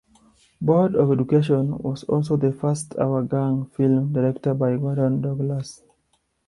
"Bored of Education" was also the first "Our Gang" film directed by Gordon Douglas.